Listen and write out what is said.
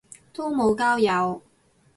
都無交友